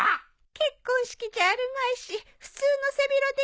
結婚式じゃあるまいし普通の背広でいいじゃろ。